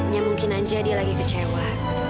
ya mungkin aja dia lagi kecewa